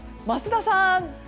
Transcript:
桝田さん！